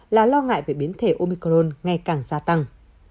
là lo ngại về biến thể omicron ngày càng gia tăng